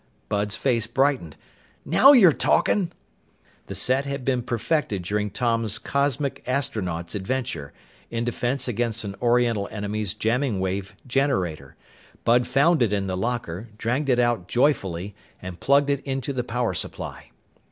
Bud's face brightened. "Now you're talking!" The set had been perfected during Tom's Cosmic Astronauts adventure, in defense against an Oriental enemy's jamming wave generator. Bud found it in the locker, dragged it out joyfully, and plugged it into the power supply.